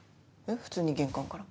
普通に玄関から。